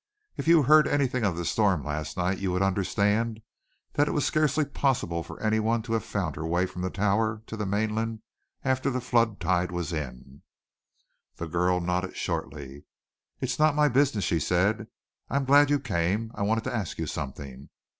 If you heard anything of the storm last night, you would understand that it was scarcely possible for any one to have found her way from the tower to the mainland after the flood tide was in." The girl nodded shortly. "It's not my business," she said. "I am glad you came. I wanted to ask you something.